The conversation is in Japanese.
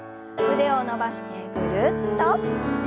腕を伸ばしてぐるっと。